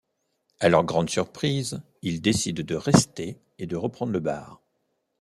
À leur grande surprise, il décide de rester et de reprendre le bar.